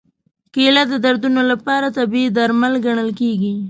کېله د دردونو لپاره طبیعي درمل ګڼل کېږي.